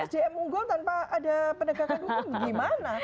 sdm unggul tanpa ada penegakan hukum gimana